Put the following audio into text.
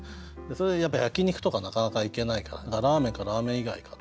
やっぱ焼き肉とかなかなか行けないからラーメンかラーメン以外かで。